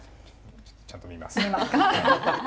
ちゃんと見ます。